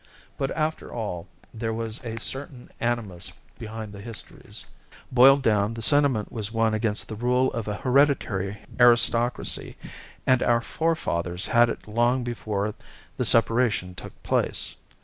But, after all, there was a certain animus behind the histories. Boiled down, the sentiment was one against the rule of a hereditary aristocracy, and our forefathers had it long before the separation took place.